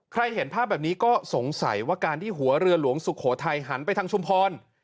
เห็นภาพแบบนี้ก็สงสัยว่าการที่หัวเรือหลวงสุโขทัยหันไปทางชุมพร